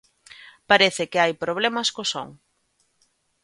Parece que hai problemas co son.